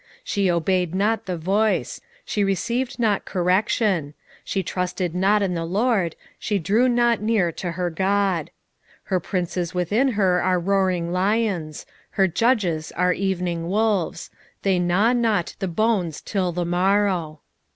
3:2 She obeyed not the voice; she received not correction; she trusted not in the LORD; she drew not near to her God. 3:3 Her princes within her are roaring lions; her judges are evening wolves; they gnaw not the bones till the morrow.